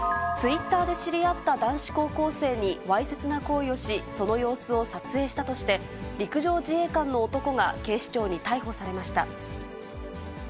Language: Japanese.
ツイッターで知り合った男子高校生にわいせつな行為をし、その様子を撮影したとして、陸上自衛官の男が警視庁に逮捕されました。